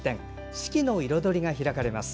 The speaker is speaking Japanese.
「四季の彩り」が開かれます。